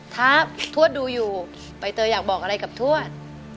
ถ้าทวดดูอยู่ใบเตยอยากบอกอะไรกับทวด